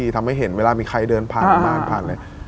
ทำให้เห็นเวลามีใครเดินผ่านมาผ่านอะไร